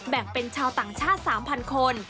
แบ่งเป็นชาวต่างชาติ๓๐๐คน